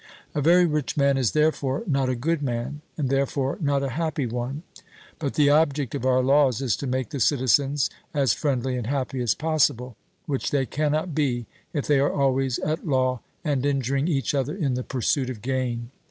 A very rich man is therefore not a good man, and therefore not a happy one. But the object of our laws is to make the citizens as friendly and happy as possible, which they cannot be if they are always at law and injuring each other in the pursuit of gain.